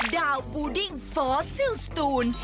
ดาวปูดิ้งฟอสซิลสตูน